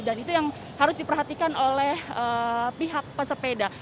dan itu yang harus diperhatikan oleh pihak pesepeda